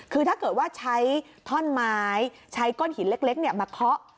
คือถ้าเกิดว่าใช้ท่อนไม้ใช้ก้อนหินเล็กมาเคาะ